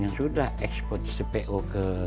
yang sudah ekspor cpo ke